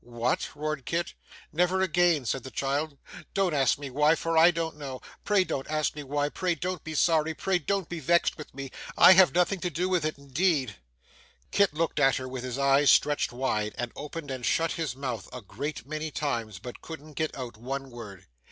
'What!' roared Kit. 'Never again,' said the child. 'Don't ask me why, for I don't know. Pray don't ask me why, pray don't be sorry, pray don't be vexed with me! I have nothing to do with it indeed!' Kit looked at her with his eyes stretched wide; and opened and shut his mouth a great many times; but couldn't get out one word.